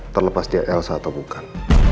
terlepas dia elsa atau bukan